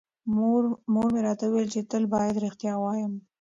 مور مې راته وویل چې تل بايد رښتیا ووایم.